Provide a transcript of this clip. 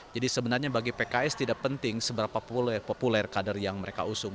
jadi sebenarnya bagi pks tidak penting seberapa populer kader yang mereka usung